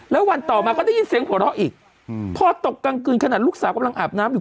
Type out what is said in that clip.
แล้ววันต่อมาก็ได้ยินเสียงหัวเราะอีกพอตกกลางคืนขนาดลูกสาวกำลังอาบน้ำอยู่